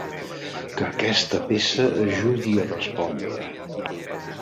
Que aquesta peça ajudi a respondre.